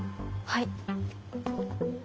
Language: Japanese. はい。